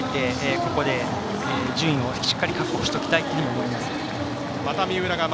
ここで順位をしっかり確保していきたいまた三浦が前。